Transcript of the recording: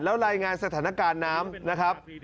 แล้วรายงานสถานการณ์น้ำนะครับ